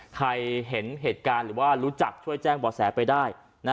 เห็นเหตุการณ์หรือว่ารู้จักช่วยแจ้งบ่อแสไปได้